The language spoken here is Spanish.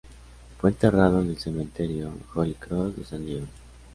Fue enterrado en el Cementerio Holy Cross de San Diego.